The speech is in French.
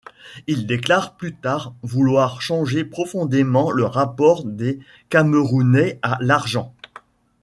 Il déclare plus tard vouloir changer profondément le rapport des Camerounais à l'argent.